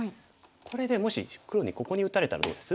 これでもし黒にここに打たれたらどうです？